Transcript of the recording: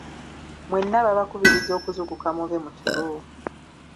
Mwenna babakubiriza okuzuukuka muve mu tulo.